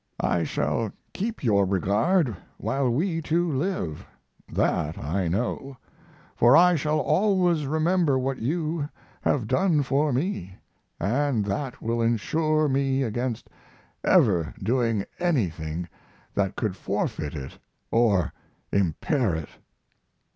I shall keep your regard while we two live that I know; for I shall always remember what you have done for me, and that will insure me against ever doing anything that could forfeit it or impair it.